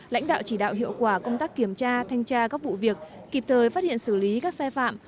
lãnh đạo chỉ đạo hiệu quả công tác kiểm tra thanh tra các vụ việc kịp thời phát hiện xử lý các sai phạm